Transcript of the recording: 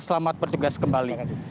selamat bertugas kembali